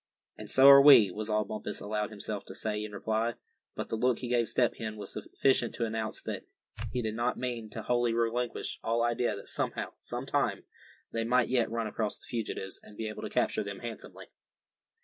"And so are we," was all Bumpus allowed himself to say in reply; but the look he gave Step Hen was sufficient to announce that he did not mean to wholly relinquish all idea that somehow, some time, they might yet run across the fugitives, and be able to capture them handsomely.